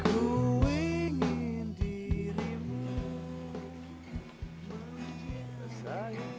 ku ingin dirimu